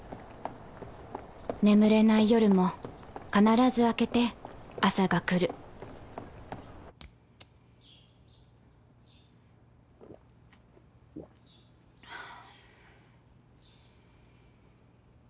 眠れない夜も必ず明けて朝が来るはあ。